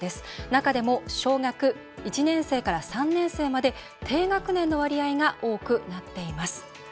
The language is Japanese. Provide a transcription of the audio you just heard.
中でも小学１年生から３年生まで低学年の割合が多くなっています。